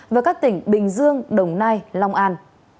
và các tỉnh bình dương đồng nai long an